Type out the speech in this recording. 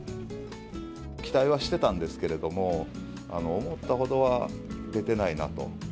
期待はしてたんですけれども、思ったほどは出てないなと。